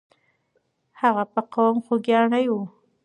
هغه په قوم خوګیاڼی وو.